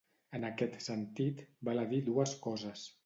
En aquest sentit, val a dir dues coses.